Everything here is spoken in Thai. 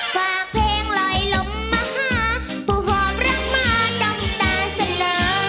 ฝากเพลงลอยลมมาหาผู้หอมรักมาด้อมตาเสลอ